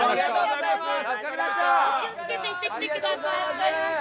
お気をつけて行ってきてください！